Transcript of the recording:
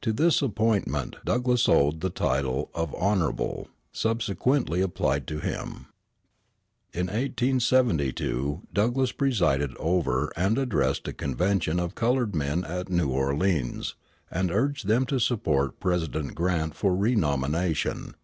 To this appointment Douglass owed the title of "Honorable," subsequently applied to him. In 1872 Douglass presided over and addressed a convention of colored men at New Orleans, and urged them to support President Grant for renomination.